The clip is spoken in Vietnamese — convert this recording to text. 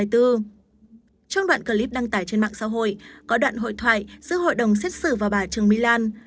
trong đoạn clip đăng tải trên mạng xã hội có đoạn hội thoại giữa hội đồng xét xử và bà trương mỹ lan